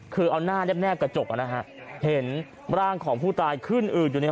คือเอาหน้าแนบแบบกระจกนะฮะเห็นร่างของผู้ตายขึ้นอืดอยู่ใน